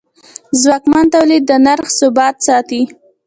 ځواکمن تولید د نرخ ثبات ساتي.